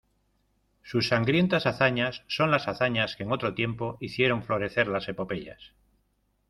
sus sangrientas hazañas son las hazañas que en otro tiempo hicieron florecer las epopeyas.